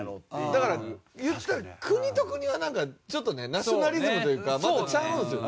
だから言ったら国と国はなんかちょっとねナショナリズムというかまたちゃうんすよね。